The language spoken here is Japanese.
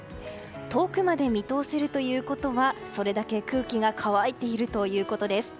遠くまで見通せるということはそれだけ空気が乾いているということです。